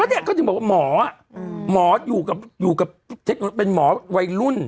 อันเนี้ยก็จะบอกหมอหมออยู่กับอยู่กับเทคโนโลกรณ์เป็นหมอวัยรุ่น